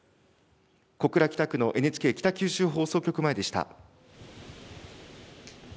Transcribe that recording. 小倉北区のＮＨＫ北九州放送局前でした。